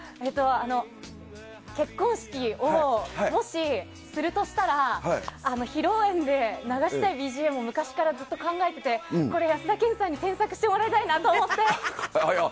結婚式をもしするとしたら、披露宴で流したいＢＧＭを昔からずっと考えててこれ安田顕さんに添削してもらいたいなと思って。